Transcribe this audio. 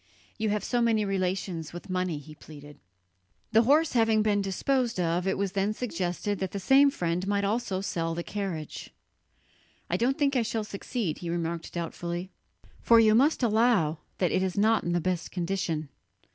"You have so many relations with money," he pleaded. The horse having been disposed of, it was then suggested that the same friend might also sell the carriage. "I don't think I shall succeed," he remarked doubtfully, "for you must allow that it is not in the best condition."